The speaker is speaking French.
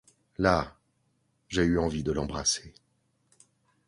Là, j’ai eu envie de l’embrasser.